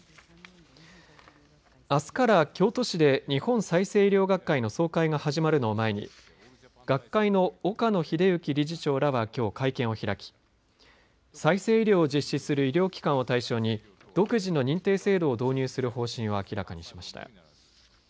あすから京都市で日本再生医療学会の総会が始まるの前に学会の岡野栄之理事長らはきょう会見を開き再生医療を実施する医療機関を対象に独自の認定制度を導入する方針を明らかにしました。